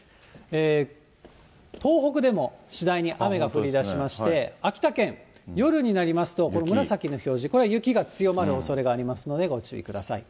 東北でも次第に雨が降りだしまして、秋田県、夜になりますと、この紫の表示、これ、雪が強まるおそれがありますので、ご注意ください。